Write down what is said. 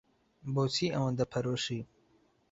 بۆچی ئەوەندە پەرۆشی؟